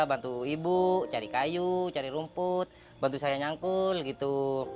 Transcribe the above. bantu ibu cari kayu cari rumput bantu saya nyangkul gitu